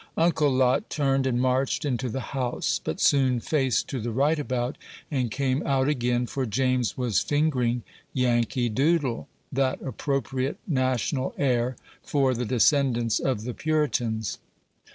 Uncle Lot turned and marched into the house, but soon faced to the right about, and came out again, for James was fingering "Yankee Doodle" that appropriate national air for the descendants of the Puritans.